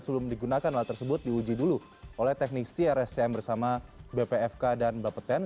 sebelum digunakan alat tersebut diuji dulu oleh teknik crscm bersama bpfk dan bapeten